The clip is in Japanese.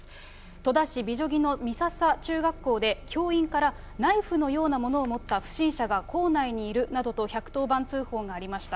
戸田市美女木の美笹中学校で、教員からナイフのようなものを持った不審者が校内にいるなどと１１０番通報がありました。